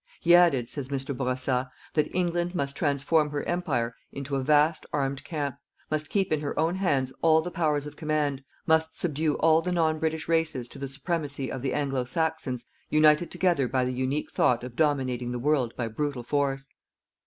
He added, says Mr. Bourassa, _that England must transform her Empire into a vast armed camp, must keep in her own hands all the powers of command, must subdue all the non British races to the supremacy of the Anglo Saxons united together by the unique thought of dominating the world by brutal force_.